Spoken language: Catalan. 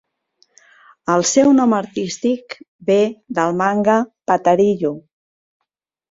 El seu nom artístic ve del manga Patarillo!